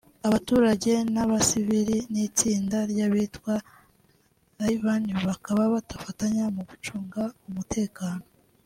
abaturage b’abasivili n’itsinda ry’abitwa Yan Baka bafatanya mu gucunga umutekano